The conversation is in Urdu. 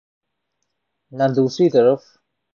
نہ دوسری طرف۔